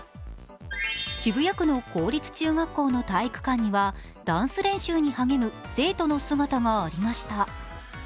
渋谷区の公立中学校の体育館にはダンス練習に励む生徒の姿がありました。